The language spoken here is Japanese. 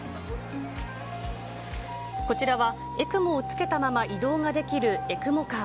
こちらはＥＣＭＯをつけたまま移動ができる、ＥＣＭＯカー。